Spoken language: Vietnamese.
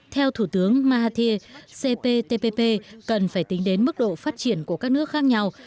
theo thủ tướng mahathir cptpp cần phải tính đến mức độ phát triển của các nước khác nhau